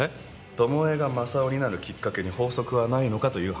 巴がマサオになるきっかけに法則はないのかという話だ。